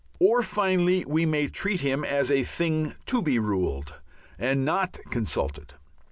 Or finally, we may treat him as a thing to be ruled and not consulted.